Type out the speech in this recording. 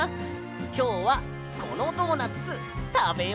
きょうはこのドーナツたべようぜ。